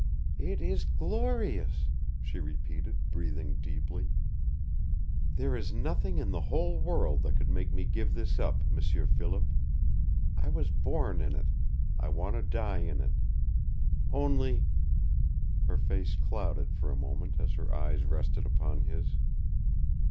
"It is glorious!" she repeated, breathing deeply. "There is nothing in the whole world that could make me give this up, M'sieur Philip. I was born in it. I want to die in it. Only " Her face clouded for a moment as her eyes rested upon his.